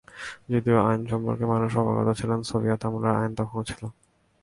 যদিও আইন সম্পর্কে মানুষ অবগত ছিল, সোভিয়েত আমলের আইন তখনো ছিল।